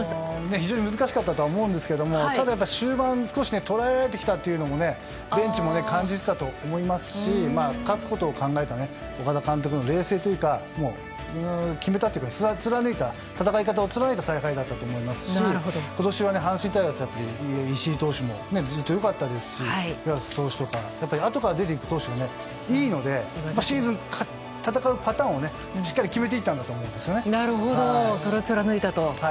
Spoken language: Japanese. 非常に難しいと思いますがただ、終盤に少し捉えられてきたっていうのもベンチも感じていたと思いますし勝つことを考えた、岡田監督の冷静というか、決めたというか戦い方を貫いた采配だったと思いますし今年は阪神タイガース石井投手もずっと良かったですしあとから出ていく投手がいいのでシーズン戦うパターンをしっかり決めていったんだとそれを貫いたと。